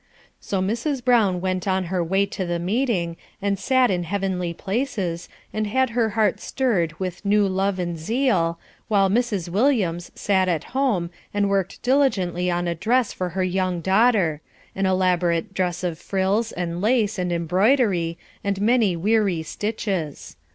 So Mrs. Brown went on her way to the meeting, and sat in heavenly places, and had her heart stirred with new love and zeal, while Mrs. Williams sat at home, and worked diligently on a dress for her young daughter, an elaborate dress of frills, and lace, and embroidery, and many weary stitches.